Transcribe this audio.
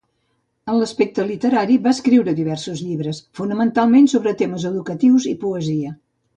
En l'aspecte literari va escriure diversos llibres, fonamentalment sobre temes educatius i poesia.